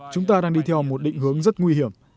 chúng ta đang đi theo một định hướng rất nguy hiểm